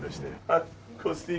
あっ！